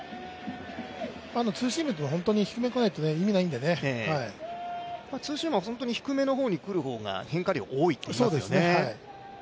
ツーシームというのは、本当に低めにこないと意味がないんでねツーシームは低めの方に来る方が変化量多いと。